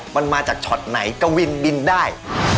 มันมาจากช็อตไหนกวินบินได้